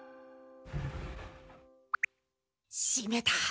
しめた！